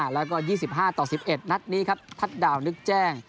แล้วก็ยี่สิบห้าต่อสิบเอ็ดนัดนี้ครับทัดดาวนึกแจ้ง